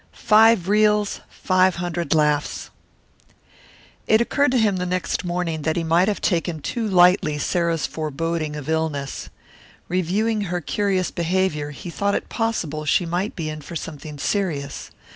"FIVE REELS 500 LAUGHS" It occurred to him the next morning that he might have taken too lightly Sarah's foreboding of illness. Reviewing her curious behaviour he thought it possible she might be in for something serious.